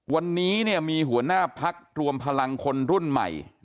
วันนี้เนี่ยมีหัวหน้าพักรวมพลังคนรุ่นใหม่